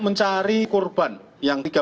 mencari korban yang tiga